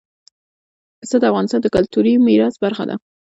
پسه د افغانستان د کلتوري میراث برخه ده.